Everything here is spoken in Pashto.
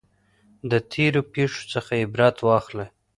د تیرو پیښو څخه عبرت واخلئ.